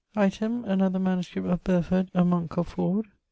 Item, another MS. of Birford, a monk of Ford.